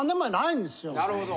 なるほど！